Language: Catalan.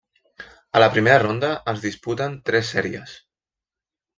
A la primera ronda es disputen tres sèries.